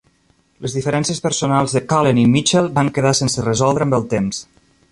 Les diferències personals de Cullen i Mitchell van quedar sense resoldre amb el temps.